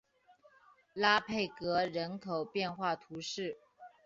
拉佩格人口变化图示